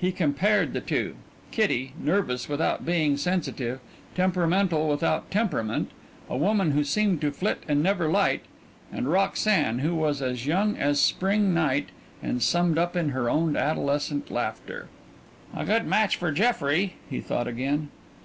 He compared the two. Kitty nervous without being sensitive, temperamental without temperament, a woman who seemed to flit and never light and Roxanne, who was as young as spring night, and summed up in her own adolescent laughter. A good match for Jeffrey, he thought again.